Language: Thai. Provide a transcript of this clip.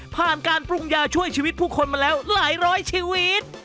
ผ่านการปรุงยาช่วยชีวิตผู้คนมาแล้วหลายร้อยชีวิต